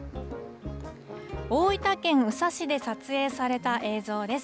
大分県宇佐市で撮影された映像です。